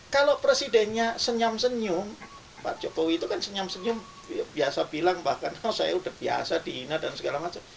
kalau presidennya senyam senyum pak jokowi itu kan senyam senyum biasa bilang bahkan saya udah biasa dihina dan segala macam